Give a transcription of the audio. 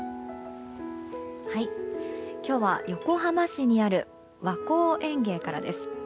今日は横浜市にある和幸園芸からです。